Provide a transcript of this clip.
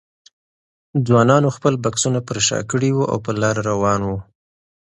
ځوانانو خپل بکسونه پر شا کړي وو او په لاره روان وو.